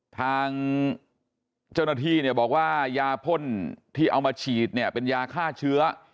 ทางเจ้าหน้าที่เนี่ยบอกว่ายาพ่นที่เอามาฉีดเนี่ยเป็นยาฆ่าเชื้อ